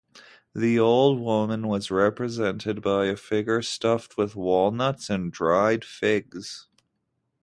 The Old Woman was represented by a figure stuffed with walnuts and dried figs.